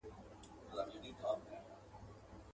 او چي هر څونه زړېږم منندوی مي د خپل ژوند یم.